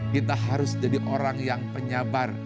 kita harus jadi orang yang penyabar